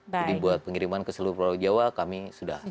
jadi buat pengiriman ke seluruh pulau jawa kami sudah melayan